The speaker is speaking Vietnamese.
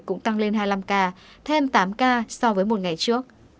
cũng tăng lên hai mươi năm ca thêm tám ca so với một ngày trước